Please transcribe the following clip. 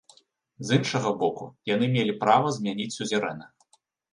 З іншага боку, яны мелі права змяніць сюзерэна.